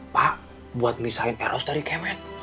pak buat misahin eros dari kemet